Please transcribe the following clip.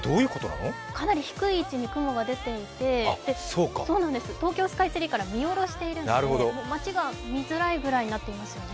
かなり低い位置に雲が出ていて東京スカイツリーから見下ろしているので、街が見づらいぐらいになっていますよね。